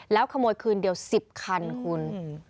แล้วขโมยคืนเดียว๑๐คันคุณ